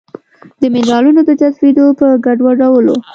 د مېنرالونو د جذبېدو په ګډوډولو